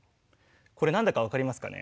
これ何だかわかりますかね？